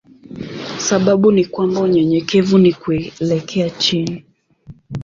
Sababu ni kwamba unyenyekevu ni kuelekea chini.